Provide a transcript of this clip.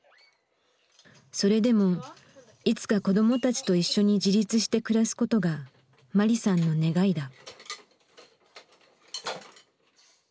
それでもいつか子どもたちと一緒に自立して暮らすことがマリさんの願いだ。